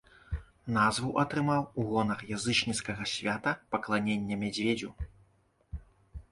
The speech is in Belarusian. Назву атрымаў у гонар язычніцкага свята пакланення мядзведзю.